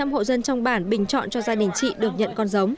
một trăm hộ dân trong bản bình chọn cho gia đình chị được nhận con giống